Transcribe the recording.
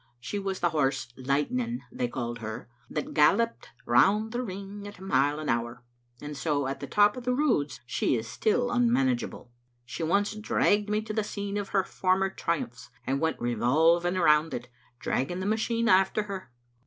She was the horse (* Lightning* they called her) that galloped round the ring at a mile an hour, and so at the top of the Roods she is still unmanageable. She once dragged me to the scene of her former triumphs, and went re volving round it, dragging the machine after her.